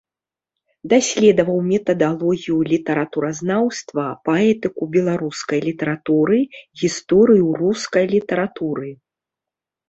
Даследаваў метадалогію літаратуразнаўства, паэтыку беларускай літаратуры, гісторыю рускай літаратуры.